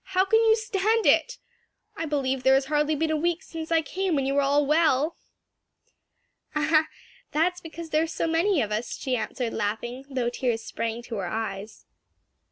How can you stand it! I believe there has hardly been a week since I came when you were all well." "Ah, that's because there are so many of us!" she answered, laughing, though tears sprang to her eyes.